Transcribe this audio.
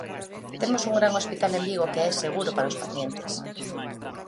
Temos un gran hospital en Vigo, que é seguro para os pacientes.